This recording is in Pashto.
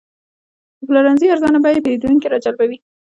د پلورنځي ارزانه بیې پیرودونکي راجلبوي.